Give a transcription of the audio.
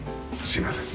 すみません。